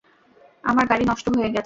আমার গাড়ি নষ্ট হয়ে গেছে।